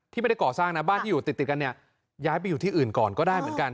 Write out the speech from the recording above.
ไม่ได้ก่อสร้างนะบ้านที่อยู่ติดกันเนี่ยย้ายไปอยู่ที่อื่นก่อนก็ได้เหมือนกัน